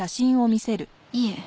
いえ。